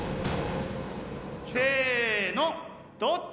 せのどっち？